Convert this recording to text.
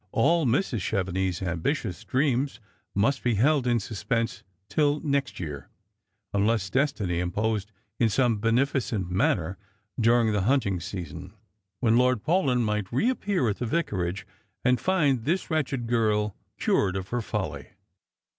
All Mrs. Chevenix's ambitious dreams must be held in suspense till next year ; unless destiny interposed in some beneficent manner during the hunting season, when Lord Panlyn might reappear at the Vicaragt, and find this wretched girl cured of her folly.